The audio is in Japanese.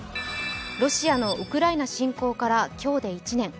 ロシアのウクライナ侵攻から今日で１年。